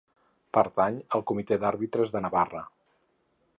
Pertany al Comitè d'Àrbitres de Navarra.